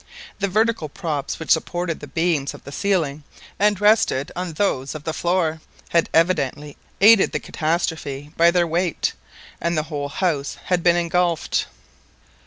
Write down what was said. The vertical props which supported the beams of the ceiling, and rested on those of the floor, had evidently aided the catastrophe by their weight, and the whole house had been engulfed.